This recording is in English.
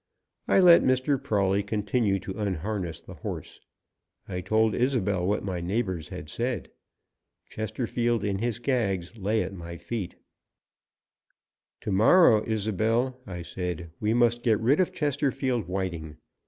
I let Mr. Prawley continue to unharness the horse. I told Isobel what my neighbours had said. Chesterfield, in his gags, lay at my feet. "To morrow, Isobel," I said, "we must get rid of Chesterfield Whiting.